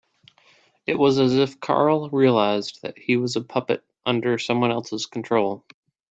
It was as if Carl realised that he was a puppet under someone else's control.